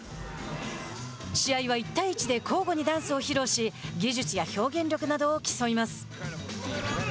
試合は１対１で交互にダンスを披露し技術や表現力などを競います。